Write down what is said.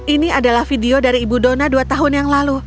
ini adalah video dari ibu dona dua tahun yang lalu